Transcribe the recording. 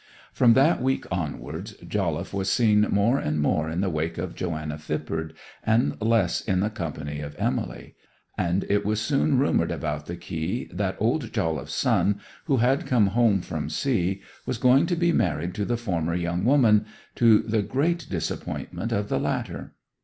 From that week onwards, Jolliffe was seen more and more in the wake of Joanna Phippard and less in the company of Emily; and it was soon rumoured about the quay that old Jolliffe's son, who had come home from sea, was going to be married to the former young woman, to the great disappointment of the latter.